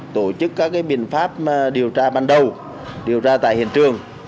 tổ chức các biện pháp điều tra ban đầu điều tra tại hiện trường